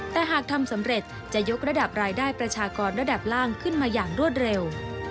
แต่หากทำสำเร็จจะยกระดับรายได้ประชากรระดับล่างขึ้นมาอย่างรวดเร็ว